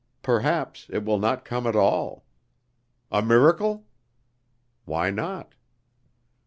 Perhaps it will not come at all! A miracle? Why not?...